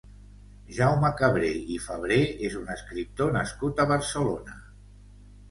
Jaume Cabré i Fabré és un escriptor nascut a Barcelona.